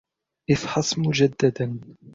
إفحص مُجدداً.